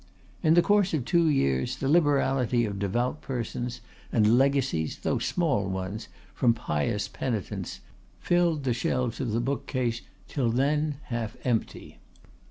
In the course of two years the liberality of devout persons, and legacies, though small ones, from pious penitents, filled the shelves of the bookcase, till then half empty.